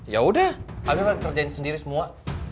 ya udah afif kan kerjain sendiri semua